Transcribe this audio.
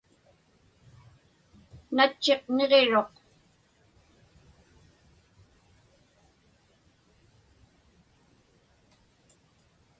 Natchiq niġiruq.